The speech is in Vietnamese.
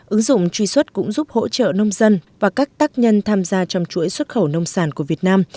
ứng dụng truy xuất cũng giúp hỗ trợ nông dân và các tác nhân tham gia trong chuỗi xuất khẩu nông sản của việt nam